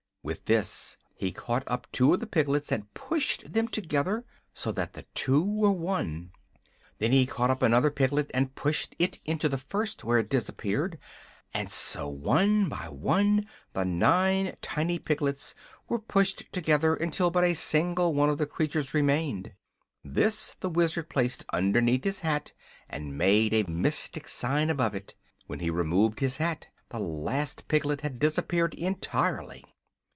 With this he caught up two of the piglets and pushed them together, so that the two were one. Then he caught up another piglet and pushed it into the first, where it disappeared. And so, one by one, the nine tiny piglets were pushed together until but a single one of the creatures remained. This the Wizard placed underneath his hat and made a mystic sign above it. When he removed his hat the last piglet had disappeared entirely.